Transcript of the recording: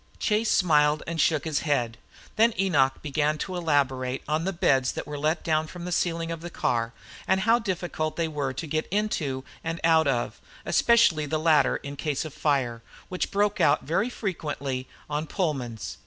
Chase smiled and shook his head. Then Enoch began to elaborate on the beds that were let down from the ceiling of the car, and how difficult they were to get into and out of, especially the latter in case of fire, which broke out very frequently on Pullmans.